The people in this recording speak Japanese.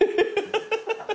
ハハハハ。